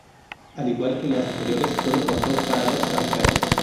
Al igual que las anteriores sólo contó para los fabricantes.